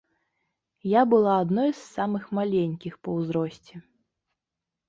Я была адной з самых маленькіх па ўзросце.